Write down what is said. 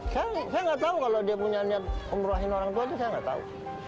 saya nggak tahu kalau dia punya niat ngurahin orang tua itu saya nggak tahu